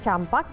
campak itu apa